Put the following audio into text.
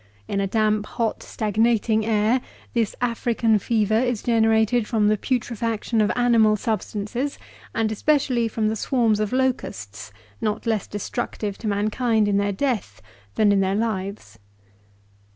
In a damp, hot, stagnating air, this African fever is generated from the putrefaction of animal substances, and especially from the swarms of locusts, not less destructive to mankind in their death than in their lives."